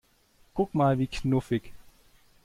Guck mal, wie knuffig!